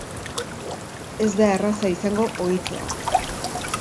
Ez da erraza izango ohitzea.